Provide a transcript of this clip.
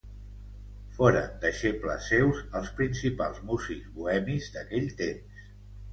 Foren deixebles seus els principals músics bohemis d'aquell temps.